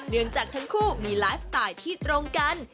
เนื่องจากทั้งคู่มีไลฟ์สไตล์ที่ตรงกัน